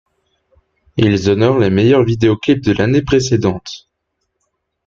Ils honorent les meilleurs vidéoclips de l’année précédente.